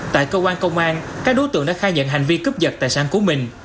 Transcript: tại cơ quan công an các đối tượng đã khai nhận hành vi cướp giật tài sản của mình